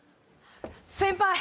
先輩！